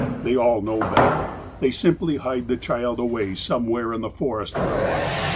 They all know better. They simply hide the child away somewhere in the forest for a month.